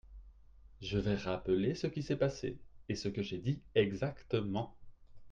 Je vais rappeler ce qui s’est passé et ce que j’ai dit exactement.